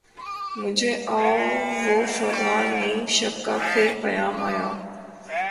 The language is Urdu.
مجھے آہ و فغان نیم شب کا پھر پیام آیا